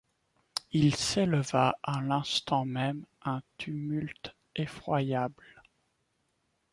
Il s'éleva à l'instant même un tumulte effroyable.